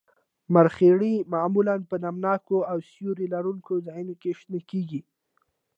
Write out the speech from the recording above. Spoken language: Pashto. مرخیړي معمولاً په نم ناکو او سیوري لرونکو ځایونو کې شنه کیږي